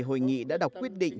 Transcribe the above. hội nghị đã đọc quyết định